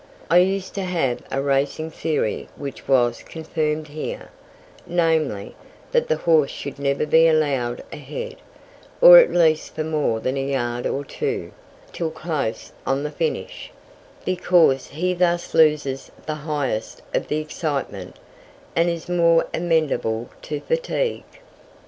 I used to have a racing theory which was confirmed here namely, that the horse should never be allowed ahead, or at least for more than a yard or two, till close on the finish, because he thus loses the highest of the excitement, and is more amenable to fatigue.